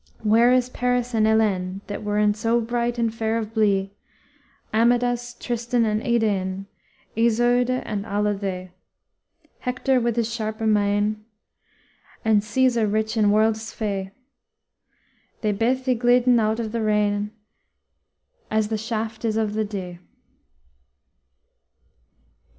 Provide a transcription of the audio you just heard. Where is Paris and Heleyne That weren so bright and fair of blee Amadas, Tristan, and Idéyne Yseudë and allë the, Hector with his sharpë main, And Caesar rich in worldës fee? They beth ygliden out of the reign As the shaft is of the dee."